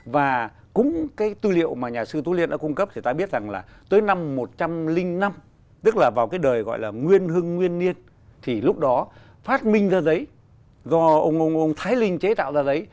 và cũng cái tư liệu mà nhà sư tố liên đã cung cấp thì ta biết rằng là tới năm một trăm linh năm tức là vào cái đời gọi là nguyên hưng nguyên niên thì lúc đó phát minh ra giấy do ông thái linh chế tạo ra đấy